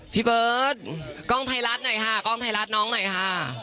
พี่เบิร์ตกล้องไทยรัฐหน่อยค่ะกล้องไทยรัฐน้องหน่อยค่ะ